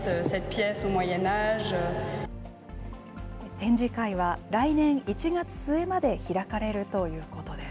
展示会は来年１月末まで開かれるということです。